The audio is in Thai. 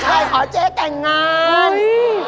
ใช่เหรอเจ๊แต่งงานโอ๊ยอุ๊ย